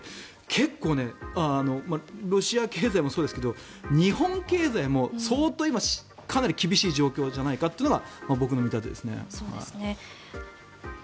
結構、ロシア経済もそうですけど日本経済も相当今かなり厳しい状況じゃないかというのが僕の見立てですね。